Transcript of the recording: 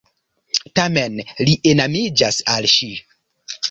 Tamen li enamiĝas al ŝi.